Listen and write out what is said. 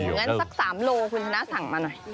โอ้โหงั้นสัก๓โลคุณธนาสั่งมาหน่อย